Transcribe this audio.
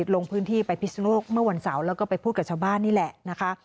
ลงพื้นที่ไปพิศนโลกเมื่อวันเสาร์แล้วก็ไปพูดกับชาวบ้านนี่แหละนะคะ